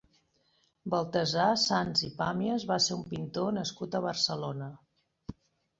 Baltasar Sans i Pàmies va ser un pintor nascut a Barcelona.